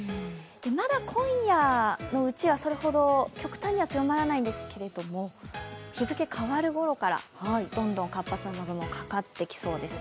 まだ今夜のうちはそれほど極端には強まらないんですけど、日付が変わるごろからどんどん活発な雨雲がかかってきそうです。